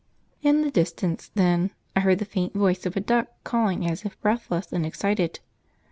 In the distance, then, I heard the faint voice of a duck calling as if breathless and excited.